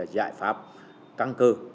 giải pháp căng cơ